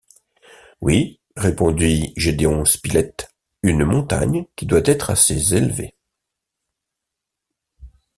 Oui, répondit Gédéon Spilett, une montagne qui doit être assez élevée...